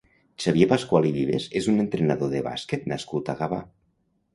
Xavier Pascual i Vives és un entrenador de bàsquet nascut a Gavà.